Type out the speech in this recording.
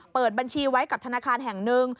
เปิดบัญชีไว้กับธนาคารแห่งหนึ่ง